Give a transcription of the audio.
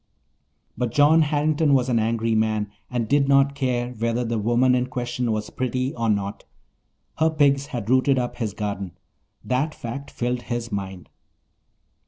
But John Harrington was an angry man and did not care whether the woman in question was pretty or not. Her pigs had rooted up his garden—that fact filled his mind.